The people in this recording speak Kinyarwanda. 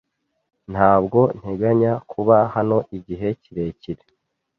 Ntabwo nteganya kuba hano igihe kirekire.